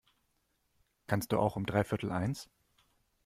Kannst du auch um dreiviertel eins?